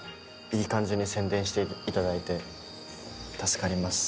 いい感じに宣伝していただいて助かります。